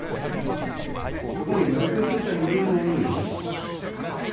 そこに同居していた人間がおるのよね。